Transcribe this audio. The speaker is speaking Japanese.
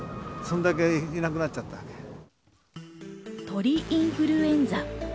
鳥インフルエンザ。